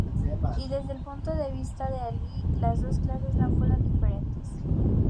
Y desde el punto de vista de Alí, las dos clases no fueron diferentes.